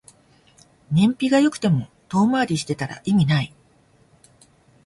燃費が良くても遠回りしてたら意味ない